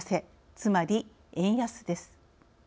つまり円安です。